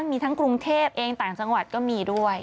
มีทั้งกรุงเทพเองต่างจังหวัดก็มีด้วย